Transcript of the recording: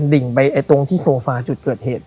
ดิ่งไปตรงที่โซฟาจุดเกิดเหตุ